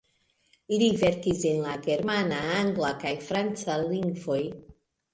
Li verkis en la germana, angla kaj franca lingvoj.